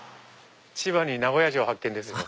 千葉に名古屋城発見ですよ。